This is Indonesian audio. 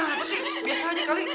eh lu kenapa sih biasa aja kali